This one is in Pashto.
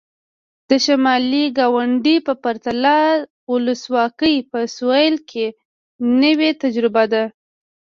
د شمالي ګاونډي په پرتله ولسواکي په سوېل کې نوې تجربه ده.